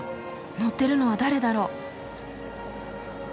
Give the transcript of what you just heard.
乗ってるのは誰だろう？